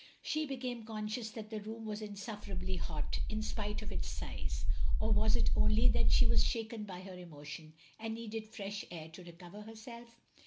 She became conscious that the room was insufferably hot, in spite of its size; or was it only that she was shaken by her emotion, and needed fresh air to recover herself?